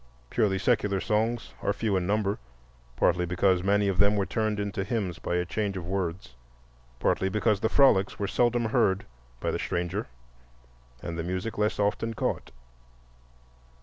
Purely secular songs are few in number, partly because many of them were turned into hymns by a change of words, partly because the frolics were seldom heard by the stranger, and the music less often caught.